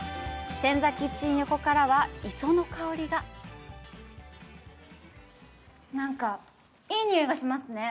センザキッチン横からは、磯の香りがなんか、いい匂いがしますね。